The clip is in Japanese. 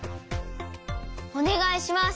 おねがいします！